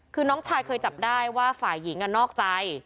คือน้องชายเคยจับได้ว่าฝ่ายหญิงนอกใจ